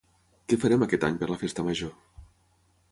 Què farem aquest any per la Festa Major?